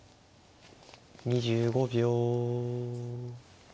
２５秒。